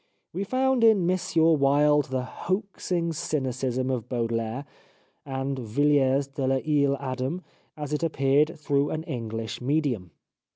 We found in M. Wilde the hoaxing cynicism of Baudelaire and Villiers de 1' Isle Adam as it appeared through an English medium.